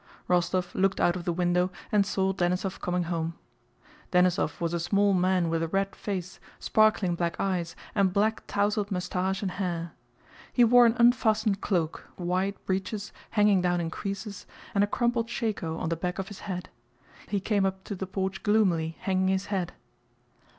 Rostóv looked out of the window and saw Denísov coming home. Denísov was a small man with a red face, sparkling black eyes, and black tousled mustache and hair. He wore an unfastened cloak, wide breeches hanging down in creases, and a crumpled shako on the back of his head. He came up to the porch gloomily, hanging his head.